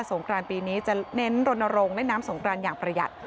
งครานปีนี้จะเน้นรณรงค์เล่นน้ำสงกรานอย่างประหยัด